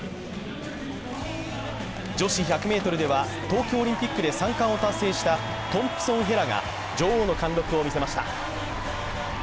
女子１００ｍでは、東京オリンピックで三冠を達成したトンプソン・ヘラが女王の貫禄を見せました。